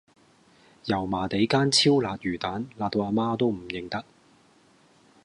油麻地間超辣魚蛋辣到阿媽都唔認得